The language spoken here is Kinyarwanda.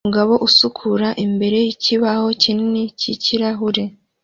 Umugabo usukura imbere yikibaho kinini cyikirahure